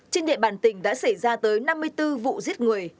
trên địa bàn tỉnh đã xảy ra tới năm mươi bốn vụ giết người